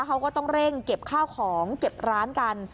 เขาก็ต้องเร่งเก็บข้าวของเก็บร้านกัน